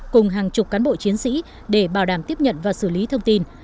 cùng hàng chục cán bộ chiến sĩ để bảo đảm tiếp nhận và xử lý thông tin